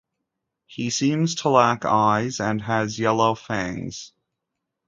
He seems to lack eyes and has yellow fangs.